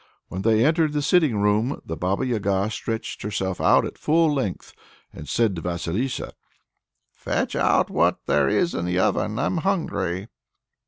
When they entered the sitting room, the Baba Yaga stretched herself out at full length, and said to Vasilissa: "Fetch out what there is in the oven; I'm hungry."